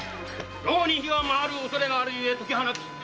牢に火が回るおそれがあるゆえ解き放つ。